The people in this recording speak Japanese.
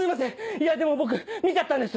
いやでも僕見ちゃったんです！